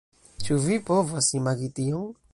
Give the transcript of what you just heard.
Ĉu vi povas imagi tion?